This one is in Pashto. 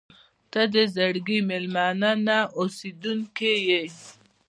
• ته د زړګي مېلمانه نه، اوسېدونکې یې.